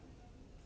dia udah berangkat